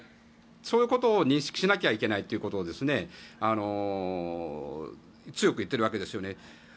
そういうことを認識しなきゃいけないということを強く言っているわけですよね。